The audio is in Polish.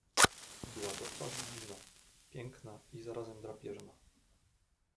"Była to twarz dziwna: piękna i zarazem drapieżna."